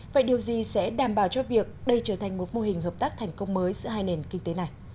vậy điều gì sẽ đảm bảo cho việc đây trở thành một mô hình hợp tác thành công mới giữa hai nền kinh tế này